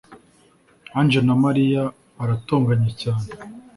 ange na mariya baratonganye cyane